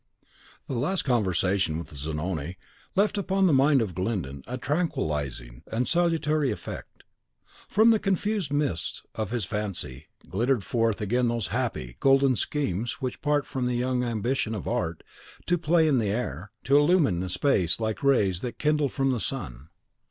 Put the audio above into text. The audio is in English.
This last conversation with Zanoni left upon the mind of Glyndon a tranquillising and salutary effect. From the confused mists of his fancy glittered forth again those happy, golden schemes which part from the young ambition of art, to play in the air, to illumine the space like rays that kindle from the sun.